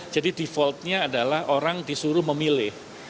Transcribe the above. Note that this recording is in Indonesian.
jadi defaultnya adalah orang disuruh memilih